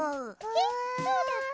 えっそうだっけ？